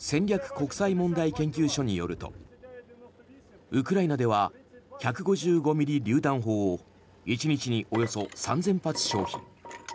国際問題研究所によるとウクライナでは１５５ｍｍりゅう弾砲を１日におよそ３０００発消費。